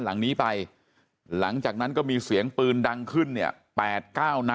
หลังนี้ไปหลังจากนั้นก็มีเสียงปืนดังขึ้นเนี่ย๘๙นัด